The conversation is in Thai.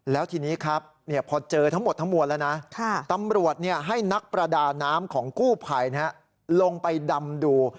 แล้วทีนี้ครับพอเจอทั้งหมดทั้งมวลแล้วนะตำรวจให้นักประดาน้ำของกู้ภัยลงไปดำดู